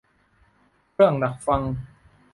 เครื่องดักฟัง